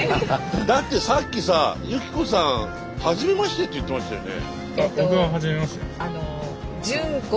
だってさっきさ由紀子さん「はじめまして」って言ってましたよね？